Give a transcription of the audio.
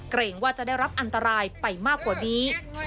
เกรงว่าจะได้รับอันตรายไปมากกว่านี้